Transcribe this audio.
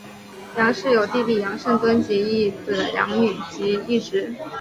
杨氏有弟弟杨圣敦及一子两女及一侄。